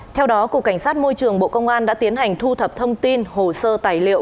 theo đó cục cảnh sát môi trường bộ công an đã tiến hành thu thập thông tin hồ sơ tài liệu